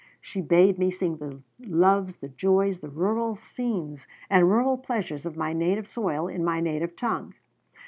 She bade me sing the loves, the joys, the rural scenes and rural pleasures of my native soil in my native tongue.